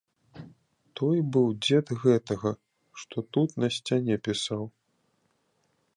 Той быў дзед гэтага, што тут на сцяне пісаў.